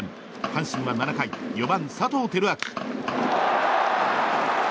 阪神は７回４番、佐藤輝明。